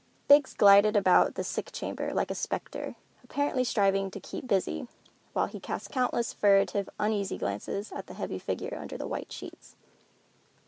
Biggs glided about the sick chamber like a specter, apparently striving to keep busy, while he cast countless furtive, uneasy glances at the heavy figure under the white sheets.